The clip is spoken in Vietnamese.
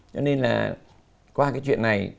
cho nên là qua cái chuyện này